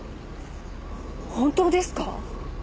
本当ですか！？